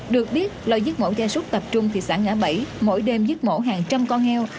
được biết lời giết mẫu gia súc tập trung thị xã ngã bảy mỗi đêm giết mổ hàng trăm con heo